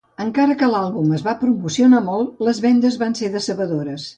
Encara que l'àlbum es va promocionar molt, les vendes van ser decebedores.